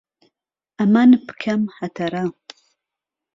ئهمان پکهم ههتەره